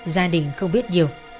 gia đình không biết nhiều